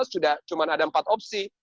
sudah cuma ada empat opsi